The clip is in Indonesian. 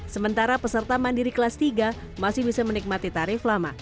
sementara peserta mandiri kelas tiga masih bisa menikmati tarif lama